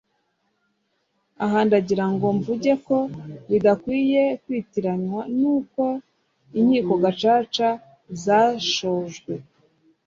aha ndagira ngo mvuge ko bidakwiye kwitiranywa n’uko inkiko Gacaca zashojwe